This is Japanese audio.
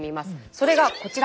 それがこちら。